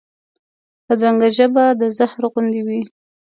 بدرنګه ژبه د زهر غوندې وي